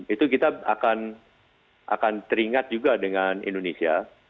itu kita akan teringat juga dengan indonesia